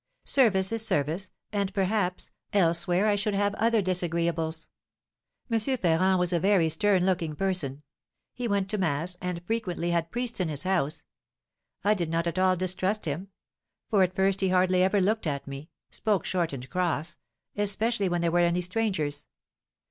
Service is service, and, perhaps, elsewhere I should have other disagreeables. M. Ferrand was a very stern looking person; he went to mass, and frequently had priests in his house. I did not at all distrust him; for at first he hardly ever looked at me, spoke short and cross, especially when there were any strangers.